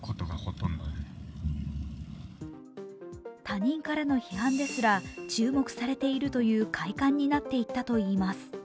他人からの批判ですら注目されているという快感になっていったといいます。